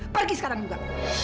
pergi sekarang juga